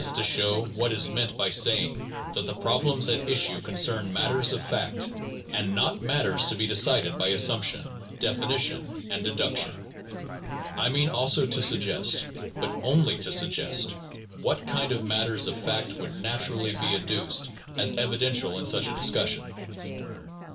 to show what is meant by saying that the problems at issue con cern matters of fact, and not matters to be decided by assumption, definition, and deduction. I mean also to suggest, but only to sug gest, what kind of matters of fact would naturally be adduced as evidential in such a discussion.